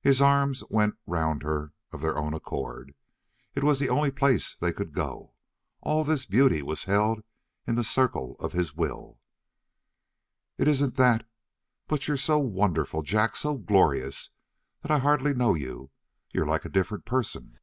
His arms went round her of their own accord. It was the only place they could go. And all this beauty was held in the circle of his will. "It isn't that, but you're so wonderful, Jack, so glorious, that I hardly know you. You're like a different person."